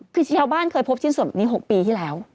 คือชาวบ้านเคยพบชิ้นส่วนแบบนี้๖ปีที่แล้ว